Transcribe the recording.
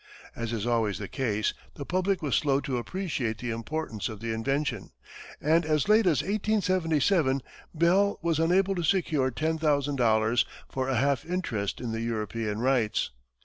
As is always the case, the public was slow to appreciate the importance of the invention, and as late as 1877, Bell was unable to secure $10,000 for a half interest in the European rights.